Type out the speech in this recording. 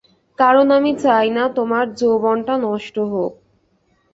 কারণ আমি চাই না তোমার যৌবনটা নষ্ট হোক।